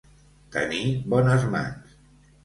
Tenir bones mans.